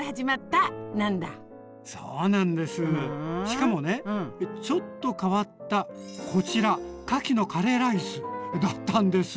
しかもねちょっと変わったこちらかきのカレーライスだったんです。